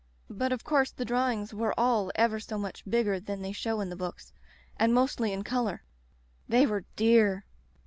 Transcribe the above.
But of course the drawings were all ever so much bigger than they show in the books, and mostly in color. They were dear!